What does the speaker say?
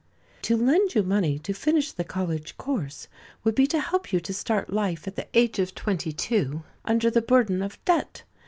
To lend you money to finish the college course, would be to help you to start life at the age of twenty two under the burden of debt.